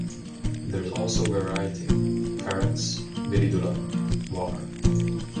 There is also variety "Carex viridula" var.